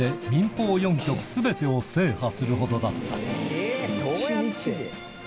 １日で民放４局すべてを制覇するほどだった。